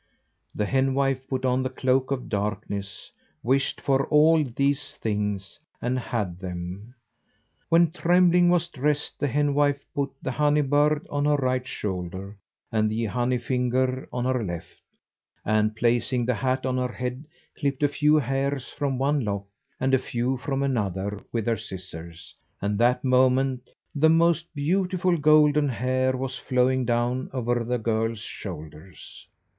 The henwife put on the cloak of darkness, wished for all these things, and had them. When Trembling was dressed, the henwife put the honey bird on her right shoulder and the honey finger on her left, and, placing the hat on her head, clipped a few hairs from one lock and a few from another with her scissors, and that moment the most beautiful golden hair was flowing down over the girl's shoulders.